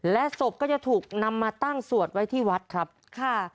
และศพก็จะถูกนำมาตั้งสวดไว้ที่วัดครับค่ะ